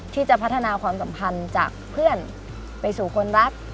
ที่จะพัฒนาความสัมพันธ์จากเพื่อนไปสู่คนรัก